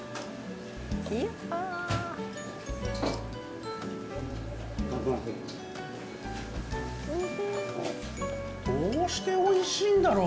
いやっはどうしておいしいんだろう？